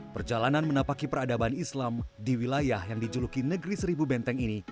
perjalanan menapaki peradaban islam di wilayah yang dijuluki negeri seribu benteng ini